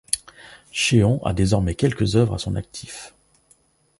Cheon a désormais quelques œuvres à son actif.